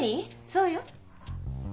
そうよ。